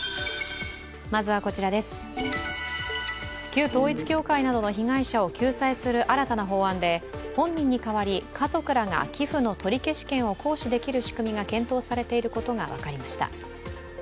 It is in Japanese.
旧統一教会の被害者などを救済する新たな法案で本人に代わり、家族らが寄付の取り消し権を行使できる仕組みが検討されていることが分かりました。